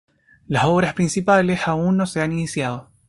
Las obras principales aún no se han iniciado.